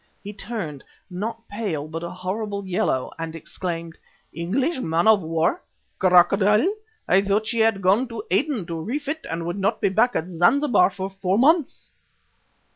He turned not pale, but a horrible yellow, and exclaimed: "English man of war! Crocodile! I thought she had gone to Aden to refit and would not be back at Zanzibar for four months."